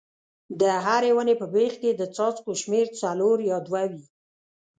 د هرې ونې په بیخ کې د څاڅکو شمېر څلور یا دوه وي.